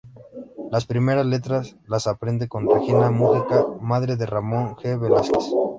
Las primeras letras las aprende con Regina Mujica, madre de Ramón J. Velásquez.